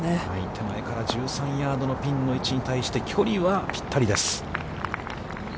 手前から１３ヤードのピンの位置に対して、距離はぴったりです。